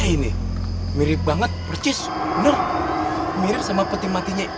ini mirip banget percis nur mirip sama peti matinya